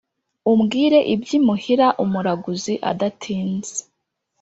umbwire ibyimuhira umuraguzi adatinze